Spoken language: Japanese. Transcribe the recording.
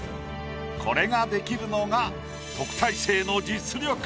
これができるのが特待生の実力。